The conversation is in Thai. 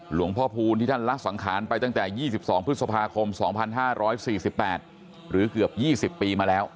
หลวงพ่อพูลที่ท่านละสังขารไปตั้งแต่๒๒พฤษภาคม๒๕๔๘หรือเกือบ๒๐ปีมาแล้ว